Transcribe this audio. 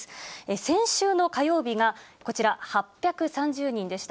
先週の火曜日がこちら８３０人でした。